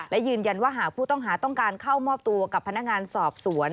และยืนยันว่าหากผู้ต้องหาต้องการเข้ามอบตัวกับพนักงานสอบสวน